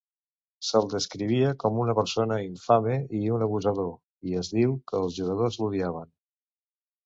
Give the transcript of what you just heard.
Se'l descrivia com una persona "infame" i un "abusador", i es diu que els jugadors l'odiaven.